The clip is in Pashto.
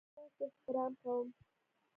زه ستاسو احترام کوم